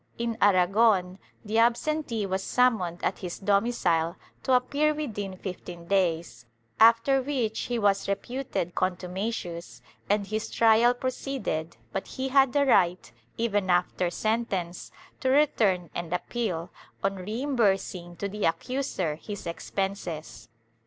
In Ara gon the absentee was summoned at his domicile to appear within fifteen days, after which he was reputed contumacious and his trial proceeded, but he had the right, even after sentence, to return and appeal, on reimbursing to the accuser his expenses.'